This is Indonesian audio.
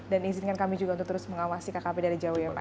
dan izinkan kami juga untuk terus mengawasi kkp dari jauh ya pak ya